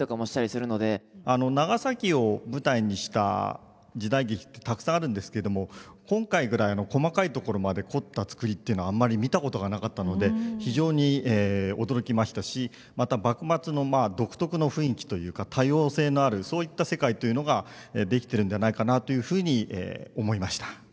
長崎を舞台にした時代劇ってたくさんあるんですけれども今回ぐらいの細かいところまで凝ったつくりっていうのはあんまり見たことがなかったので非常に驚きましたしまた幕末の独特の雰囲気というか多様性のあるそういった世界というのが出来てるんではないかなというふうに思いました。